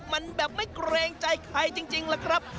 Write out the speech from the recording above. มันแบบไม่เกรงใจใครจริงล่ะครับ